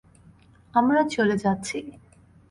আমরা চলে যাচ্ছি।